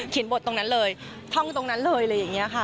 บทตรงนั้นเลยท่องตรงนั้นเลยอะไรอย่างนี้ค่ะ